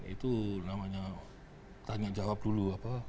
itu namanya tanya jawab dulu